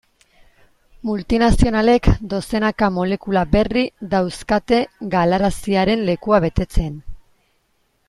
Multinazionalek dozenaka molekula berri dauzkate galaraziaren lekua betetzen.